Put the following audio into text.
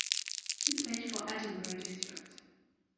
He played for Edinburgh District.